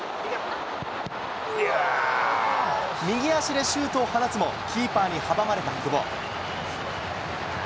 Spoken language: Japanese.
右足でシュートを放つも、キーパーに阻まれた久保。